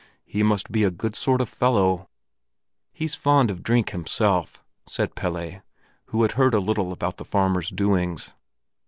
He must be a good sort of fellow." "He's fond of drink himself," said Pelle, who had heard a little about the farmer's doings.